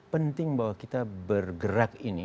penting bahwa kita bergerak ini